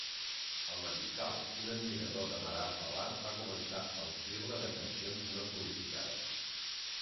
El mariscal, un admirador de Madame Favart, va començar a omplir-la d'atencions no sol·licitades.